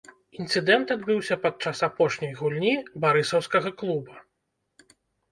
Інцыдэнт адбыўся падчас апошняй гульні барысаўскага клуба.